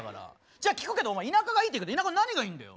じゃあ聞くけどお前田舎がいいって言うけど田舎の何がいいんだよ。